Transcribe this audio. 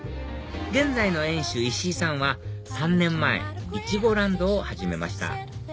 現在の園主石井さんは３年前いちごランドを始めました